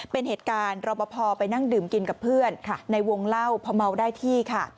เป็นเหตุการณ์รอปภไปนั่งดื่มกินกับเพื่อนในวงเล่าพอเมาได้ที่ค่ะ